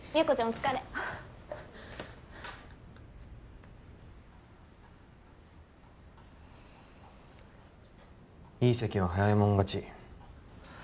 お疲れいい席は早いもん勝ち